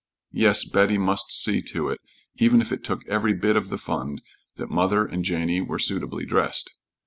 Yes, Betty must see to it, even if it took every bit of the fund, that mother and Janey were suitably dressed.